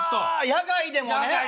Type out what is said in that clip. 野外でもね。